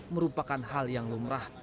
merupakan hal yang lumrah